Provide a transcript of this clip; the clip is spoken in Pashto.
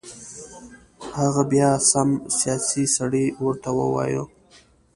هغه بیا سم سیاسي سړی ورته ووایو.